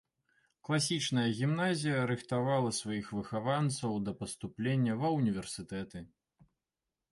Класічная гімназія рыхтавала сваіх выхаванцаў да паступлення ва ўніверсітэты.